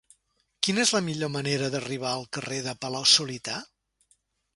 Quina és la millor manera d'arribar al carrer de Palau-solità?